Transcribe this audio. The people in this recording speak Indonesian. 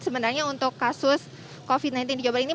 sebenarnya untuk kasus covid sembilan belas di jawa barat ini